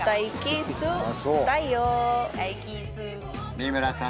三村さん